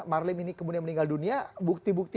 marlim ini kemudian meninggal dunia bukti bukti